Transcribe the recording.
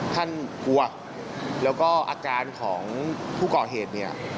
ท่านกลัวแล้วก็อาการของผู้ก่อเหตุ